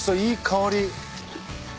いい香り。